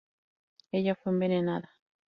Ella fue envenenada.